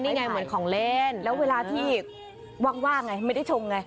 นี่ไงเหมือนของเล่นแล้วเวลาที่ว่างไงไม่ได้ชงไง